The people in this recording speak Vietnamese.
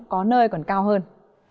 có nơi còn cao hơn